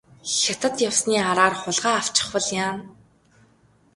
Хятад явсны араар хулгай авчихвал яана.